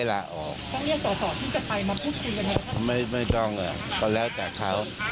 ก็ไม่ต้องอ่ะก็แล้วจากเค้า